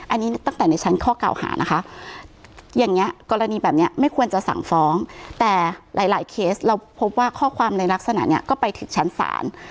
อันนี้ตั้งแต่ในชั้นข้อเก่าหานะคะอย่างนี้กรณีแบบนี้ไม่ควรจะสั่งฟ้องแต่หลายเคสเราพบว่าข้อความในลักษณะนี้ก็ไปถึงชั้นศาล